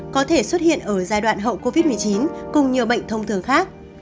có thể xuất hiện ở giai đoạn hậu covid một mươi chín cùng nhiều bệnh thông thường khác